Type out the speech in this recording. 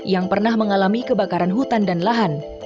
yang pernah mengalami kebakaran hutan dan lahan